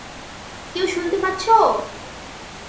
কেউ শুনতে পাচ্ছো?